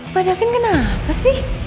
pak davin kenapa sih